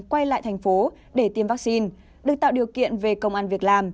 quay lại thành phố để tiêm vaccine được tạo điều kiện về công an việc làm